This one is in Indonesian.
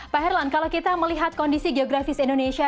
pak herlan kalau kita melihat kondisi geografis indonesia